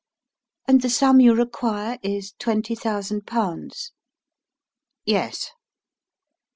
"And the sum you require is twenty thousand pounds?" "Yes."